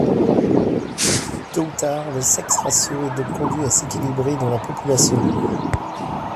Tôt ou tard, le sex-ratio est donc conduit à s’équilibrer dans la population.